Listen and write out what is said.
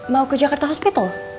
mau ke jakarta hospital